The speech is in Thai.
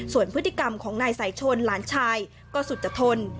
ส่วนพฤติกรรมของนายสายชนหลานชายก็สุจทน